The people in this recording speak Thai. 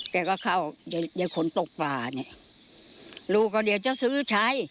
แกก็เข้าเดี๋ยวขนตกป่าเนี่ยลูกก็เดี๋ยวจะซื้อใช้